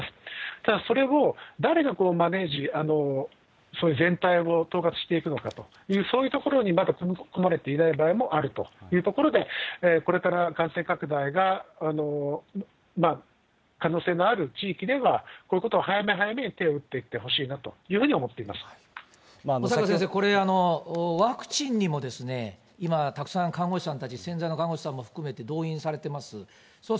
ただそれを誰がマネージ、そういう全体を統括していくのかと、そういうところにまだ踏み込まれていない場合もあるというところで、これから感染拡大が可能性のある地域では、こういうことを早め早めに手を打っていってほしいなというふうに小坂先生、これ、ワクチンにも今、たくさん看護師さんたち、潜在の看護師さんたちも含めて動員されてます。